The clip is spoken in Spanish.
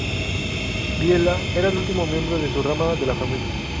Biela era el último miembro de su rama de la familia.